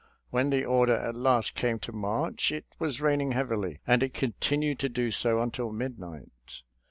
When the order at last came to march it was raining heavily and it continued to do so until midnight.